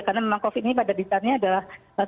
karena memang covid ini pada dasarnya adalah seluruh orang